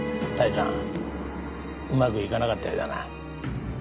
泰山うまくいかなかったようだな。